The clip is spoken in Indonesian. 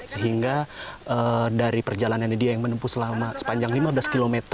sehingga dari perjalanan ini dia yang menempuh sepanjang lima belas km